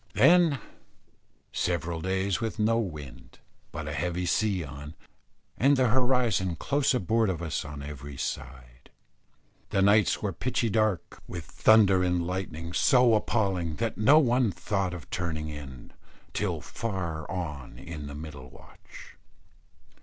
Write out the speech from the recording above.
Then several days with no wind, but a heavy sea on, and the horizon close aboard of us on every side. The nights were pitchy dark, with thunder and lightning so appalling that no one thought of turning in, till far on in the middle watch.